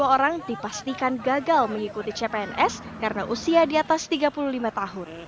dua puluh orang dipastikan gagal mengikuti cpns karena usia di atas tiga puluh lima tahun